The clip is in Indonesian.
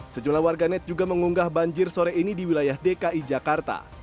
sejumlah warganet juga mengunggah banjir sore ini di wilayah dki jakarta